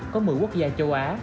có một mươi quốc gia châu á